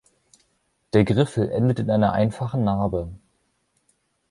Der Griffel endet in einer einfachen Narbe.